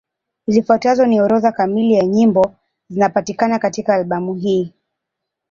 Zifuatazo ni orodha kamili ya nyimbo zinapatikana katika albamu hii.